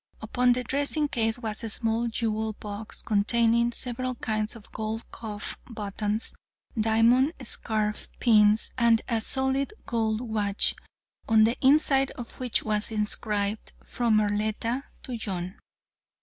Upon the dressing case was a small jewel box, containing several kinds of gold cuff buttons, diamond scarf pins, and a solid gold watch, on the inside of which was inscribed, "From Arletta to John."